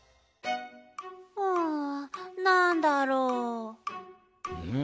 うんなんだろう？